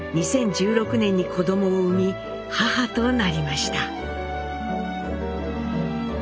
２０１６年に子どもを産み母となりました。